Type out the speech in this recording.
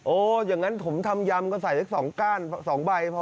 อย่างนั้นผมทำยำก็ใส่สัก๒ก้าน๒ใบพอ